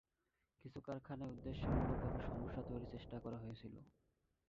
কিছু কারখানায় উদ্দেশ্যমূলকভাবে সমস্যা তৈরির চেষ্টা করা হয়েছিল।